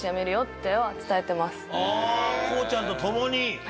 ああこうちゃんと共に。